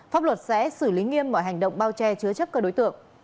pháp luật sẽ xử lý nghiêm mọi hành động bao che chứa chấp các đối tượng